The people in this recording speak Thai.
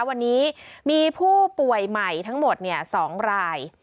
วันนี้มีผู้ป่วยใหม่ทั้งหมด๒ราย